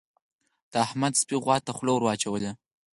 د احمد سپي غوا ته خوله ور اچولې ده.